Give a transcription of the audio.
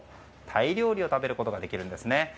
タイ料理を食べることができるんですね。